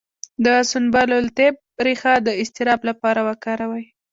د سنبل الطیب ریښه د اضطراب لپاره وکاروئ